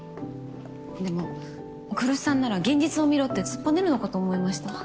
でも来栖さんなら現実を見ろって突っぱねるのかと思いました。